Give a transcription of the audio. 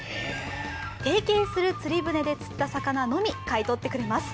提携する釣り船で釣った魚のみ買い取ってくれます。